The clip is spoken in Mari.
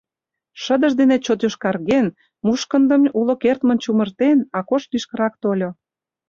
Шыдыж дене чот йошкарген, мушкындым уло кертмын чумыртен, Акош лишкырак тольо.